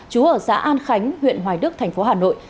chú ở xã an khánh huyện hoài đức thành phố hà nội